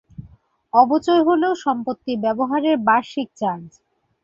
অবচয় হল সম্পত্তি ব্যবহারের বার্ষিক চার্জ।